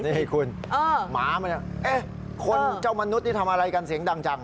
นี่คุณหมามันคนเจ้ามนุษย์นี่ทำอะไรกันเสียงดังจัง